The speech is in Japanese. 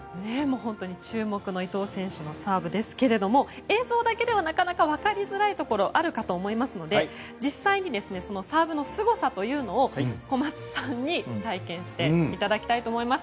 本当に注目の伊藤選手のサーブですが映像だけではなかなか分かりづらいところがあるかと思いますので実際にサーブのすごさを小松さんに体験していただきたいと思います。